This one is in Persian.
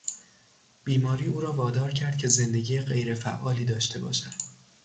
بیماری او را وادار کرد که زندگی غیرفعالی داشته باشد.